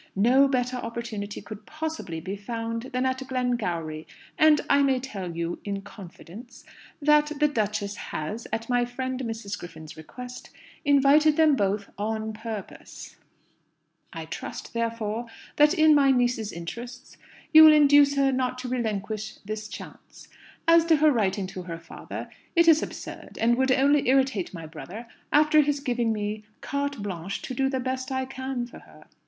No better opportunity could possibly be found than at Glengowrie; and I may tell you, in confidence, that the duchess has, at my friend Mrs. Griffin's request, invited them both on purpose. I trust, therefore, that, in my niece's interests, you will induce her not to relinquish this chance. As to her writing to her father, it is absurd, and would only irritate my brother after his giving me carte blanche to do the best I can for her.